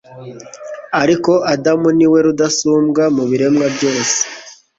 ariko adamu ni we rudasumbwa mu biremwa byose